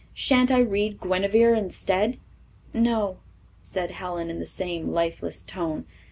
Shan't I read 'Guinevere' instead?" "No," said Helen in the same lifeless tone.